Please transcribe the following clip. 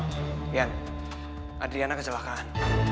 kau ian adriana kecelakaan